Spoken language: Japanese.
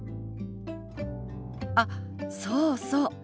あっそうそう。